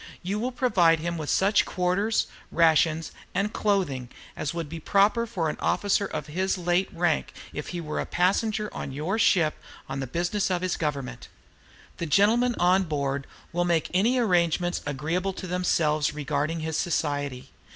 "You will provide him with such quarters, rations, and clothing as would be proper for an officer of his late rank, if he were a passenger on your vessel on the business of his Government. "The gentlemen on board will make any arrangements agreeable to themselves regarding his society.